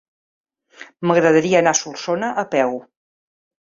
M'agradaria anar a Solsona a peu.